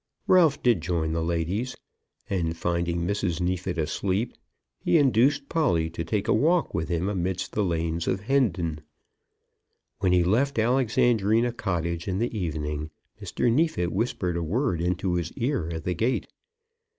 Ralph did join the ladies; and, finding Mrs. Neefit asleep, he induced Polly to take a walk with him amidst the lanes of Hendon. When he left Alexandrina Cottage in the evening, Mr. Neefit whispered a word into his ear at the gate.